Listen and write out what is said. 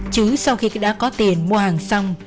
chứ sau khi đã có tiền mua hàng xong